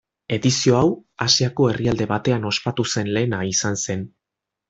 Edizio hau, Asiako herrialde batean ospatu zen lehena izan zen.